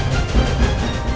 lebih menguasai karir mereka